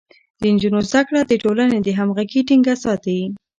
د نجونو زده کړه د ټولنې همغږي ټينګه ساتي.